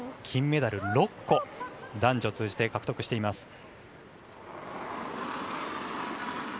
金メダル６個男女通じて獲得しています。